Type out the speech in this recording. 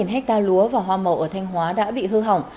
ba hecta lúa và hoa màu ở thanh hóa đã bị hư hỏng